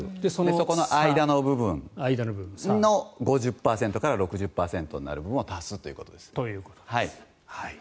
そこの間の部分の５０％から６０％ぐらいになる部分を足すということです。